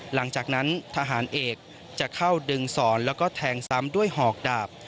หลังจากนั้นทหารเอกจะเข้าดึงสอนแล้วก็แทงซ้ำด้วยหอกดาบ